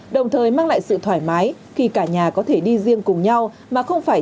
đồng thời mang lại sự thoải mái khi cả nhà có thể đi riêng cùng nhau mà không phải